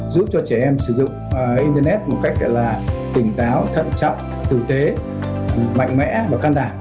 giúp cho trẻ em sử dụng internet một cách gọi là tỉnh táo thận trọng tử tế mạnh mẽ và can đảm